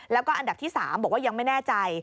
แล้วก็อันดับที่๓บอกว่ายังไม่แน่ใจ